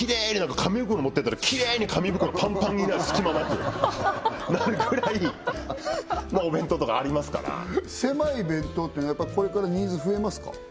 紙袋持ってったらキレイに紙袋パンパンになる隙間なくなるくらいお弁当とかありますからせまい弁当ってのはやっぱこれからニーズ増えますか？